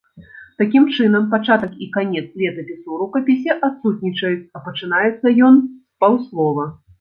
Такім чынам, пачатак і канец летапісу ў рукапісе адсутнічаюць, а пачынаецца ён з паўслова.